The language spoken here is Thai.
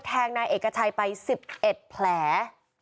แทงนายเอกชัยไป๑๑แผล